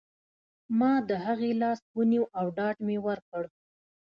ما د هغې لاس ونیو او ډاډ مې ورکړ